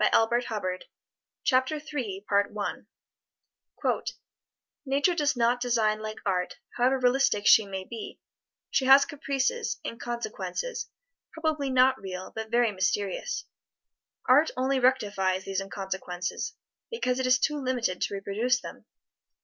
[Illustration: FREDERIC CHOPIN] FREDERIC CHOPIN Nature does not design like art, however realistic she may be. She has caprices, inconsequences, probably not real, but very mysterious. Art only rectifies these inconsequences, because it is too limited to reproduce them.